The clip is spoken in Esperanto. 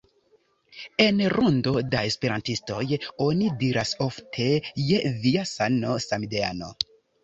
En rondo da esperantistoj oni diras ofte "je via sano, samideano"